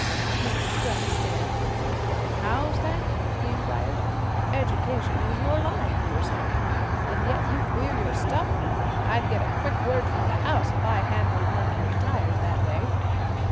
Mr. Squem stared. 'How's that?' he inquired. 'Education is your line, you were saying, and yet you queer your stuff. I'd get quick word from the house, if I handled Mercury tires that way.'